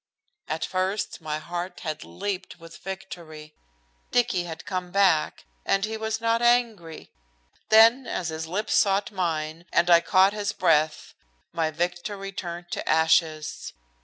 At first my heart had leaped with victory. Dicky had come back, and he was not angry. Then as his lips sought mine, and I caught his breath, my victory turned to ashes.